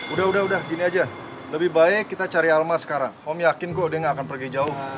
udah udah udah gini aja lebih baik kita cari alma sekarang om yakin kok dia nggak akan pergi jauh